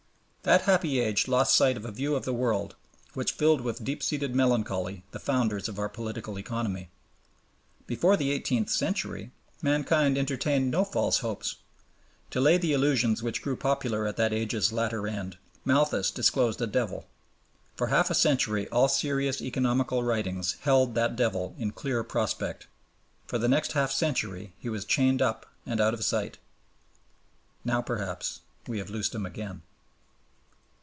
That happy age lost sight of a view of the world which filled with deep seated melancholy the founders of our Political Economy. Before the eighteenth century mankind entertained no false hopes. To lay the illusions which grew popular at that age's latter end, Malthus disclosed a Devil. For half a century all serious economical writings held that Devil in clear prospect. For the next half century he was chained up and out of sight. Now perhaps we have loosed him again.